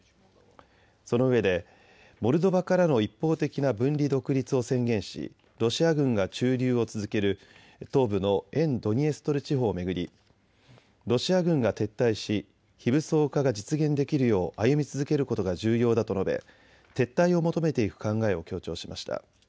そのうえでモルドバからの一方的な分離独立を宣言しロシア軍が駐留を続ける東部の沿ドニエストル地方を巡り、ロシア軍が撤退し非武装化が実現できるよう歩み続けることが重要だと述べ撤退を求めていく考えを強調しました。